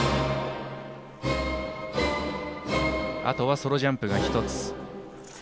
あとはソロジャンプが１つ。